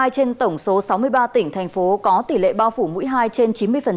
một mươi trên tổng số sáu mươi ba tỉnh thành phố có tỷ lệ bao phủ mũi hai trên chín mươi